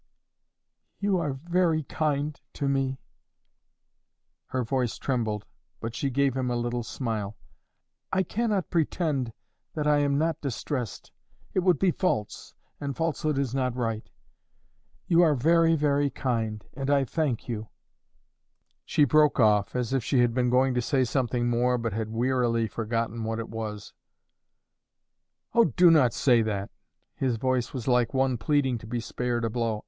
"You are very kind to me." Her voice trembled, but she gave him a little smile. "I cannot pretend that I am not distressed; it would be false, and falsehood is not right. You are very, very kind, and I thank you " She broke off, as if she had been going to say something more but had wearily forgotten what it was. "Oh, do not say that!" His voice was like one pleading to be spared a blow.